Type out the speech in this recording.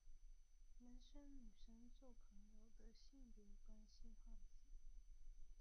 男生女生做朋友的性別關係話題